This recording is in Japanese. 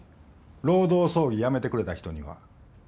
労働争議やめてくれた人には。